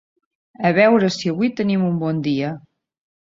A veure si avui tenim un bon dia.